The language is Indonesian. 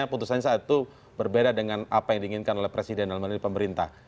keputusannya saat itu berbeda dengan apa yang diinginkan oleh presiden dan pemerintah